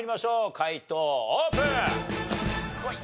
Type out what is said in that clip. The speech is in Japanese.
解答オープン！